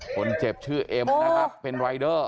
คนเจ็บชื่อเอ็มนะครับเป็นรายเดอร์